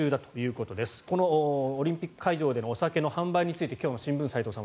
このオリンピック会場でのお酒の販売について今日の新聞斎藤さん